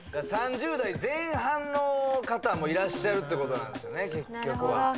３０代前半の方もいらっしゃるってことなんですよね結局は。